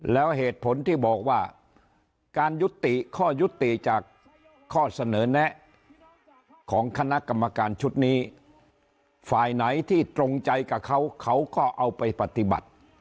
แล้วเหตุผลที่บอกว่าการยุติข้อยุติจากข้อเสนอแนะของคณะกรรมการชุดนี้ฝ่ายไหนที่ตรงใจกับเขาเขาก็เอาไปปฏิบัติ